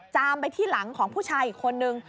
จามไปที่หลังของผู้ชายอีกคนนึง